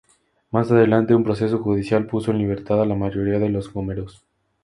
Más adelante un proceso judicial puso en libertad a la mayoría de esos gomeros.